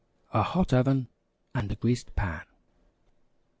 A hot oven and a greased pan.